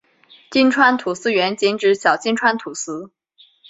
金川土司原仅指小金川土司。